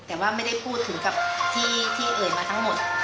แต่ว่าไม่ได้พูดถึงกับที่อื่นมาทั้งหมด